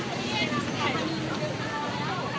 ถือแล้วตาลูกฉันลูกมีกว่าร้อย